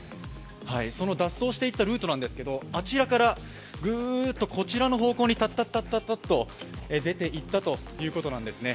その脱走していったルートなんですけどあちらからぐーっとこちらの方向にタッタッタッタッと出ていったということなんですね。